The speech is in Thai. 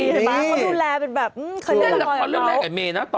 เขาดูแลเป็นแบบเคยเล่นเรื่องแรกกับเมนะต่อ